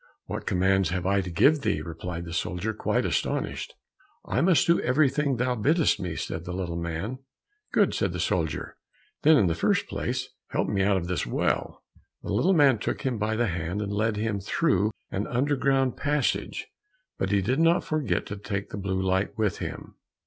"What commands have I to give thee?" replied the soldier, quite astonished. "I must do everything thou biddest me," said the little man. "Good," said the soldier; "then in the first place help me out of this well." The little man took him by the hand, and led him through an underground passage, but he did not forget to take the blue light with him.